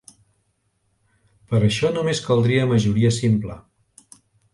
Per a això només caldria majoria simple.